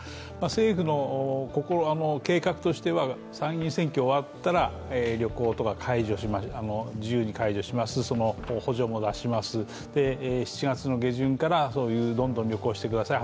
政府の計画として参議院選挙が終わったら旅行とか自由に解除します、その補助も出します、で、７月下旬からどんどん旅行をしてください